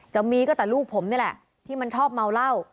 จะมีก็แต่ลูกผมนี่แหละที่มันชอบเมาเหล้า